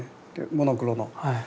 モノクロの。